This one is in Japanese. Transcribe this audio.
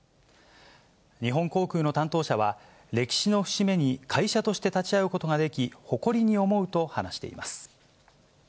日本航空の担当者は、歴史の節目に会社として立ち会うことができ、誇りに思うと話しています。